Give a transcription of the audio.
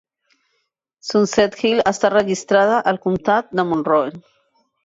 Sunset Hill està registrada al comtat de Monroe.